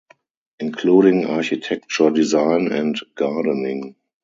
Including architecture, design and gardening.